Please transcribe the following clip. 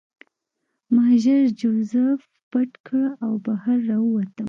ما ژر جوزف پټ کړ او بهر راووتم